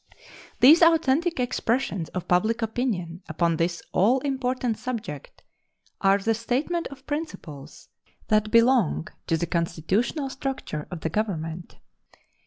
These authentic expressions of public opinion upon this all important subject are the statement of principles that belong to the constitutional structure of the Government.